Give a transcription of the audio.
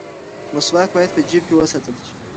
مسواک باید په جیب کې وساتل شي.